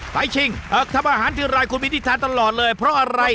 ไปชิงทำอาหารทีไรคุณมีนิทานตลอดเลยเพราะอะไร